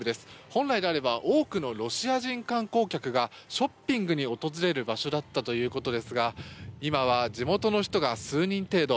本来であれば多くのロシア人観光客がショッピングに訪れる場所だったということですが今は地元の人が数人程度。